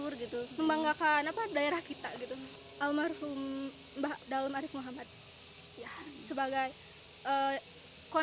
almarhum mbah dalem arif muhammad